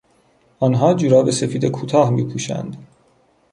آنها جوراب سفید کوتاه میپوشند.